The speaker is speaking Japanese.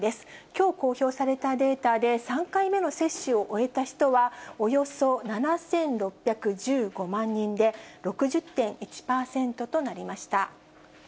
きょう公表されたデータで３回目の接種を終えた人は、およそ７６１５万人で、６０．１％となりました。